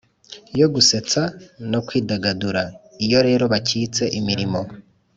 yo gusetsa no kwidagadura. Iyo rero bakitse imirimo